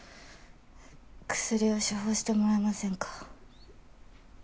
薬を処方してもらえませんか？